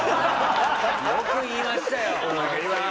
よく言いましたよ！